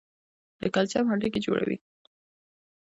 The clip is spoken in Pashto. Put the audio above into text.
د کلسیم هډوکي جوړوي.